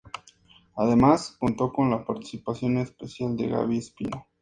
Además contó con la participación especial de Gaby Espino.